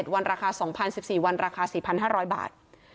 วันราคา๒๐๑๔วันราคา๔๕๐๐บาท